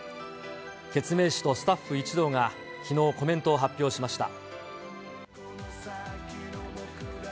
ケツメイシとスタッフ一同がきのう、コメントを発表しました。